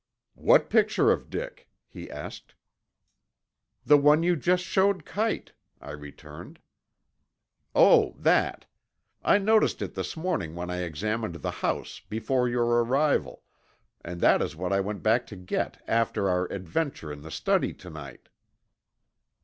"What picture of Dick?" he asked. "The one you just showed Kite," I returned. "Oh, that. I noticed it this morning when I examined the house, before your arrival, and that is what I went back to get after our adventure in the study to night."